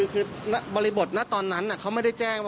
คือบริบทตอนนั้นเขาไม่ได้แจ้งว่า